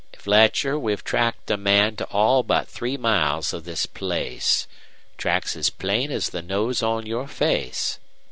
"Fletcher, we've tracked a man to all but three miles of this place. Tracks as plain as the nose on your face.